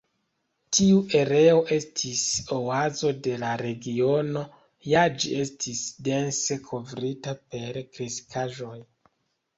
Tiu areo estis oazo de la regiono, ja ĝi estis dense kovrita per kreskaĵoj.